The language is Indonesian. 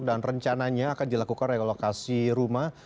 dan rencananya akan dilakukan relokasi rumah